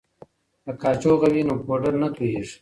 که قاشغه وي نو پوډر نه توییږي.